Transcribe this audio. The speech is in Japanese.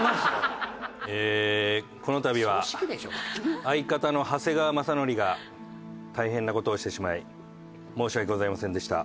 ええこの度は相方の長谷川雅紀が大変な事をしてしまい申し訳ございませんでした。